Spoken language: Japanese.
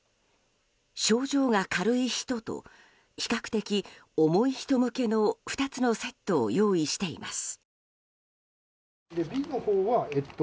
症状が軽い人と比較的重い人向けの２つのセットを用意しています。